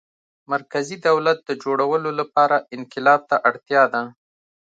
مرکزي دولت د جوړولو لپاره انقلاب ته اړتیا ده.